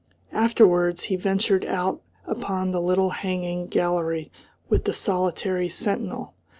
Afterwards he ventured out upon the little hanging gallery with the solitary sentinel.